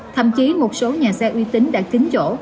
thậm chí một số nhà xe uy tín đã kín chỗ